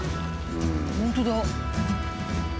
本当だ。